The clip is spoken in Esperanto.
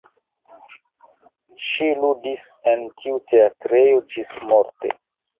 Ŝi ludis en tiu teatrejo ĝismorte.